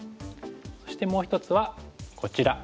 そしてもう１つはこちら。